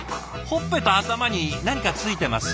ほっぺと頭に何か付いてます。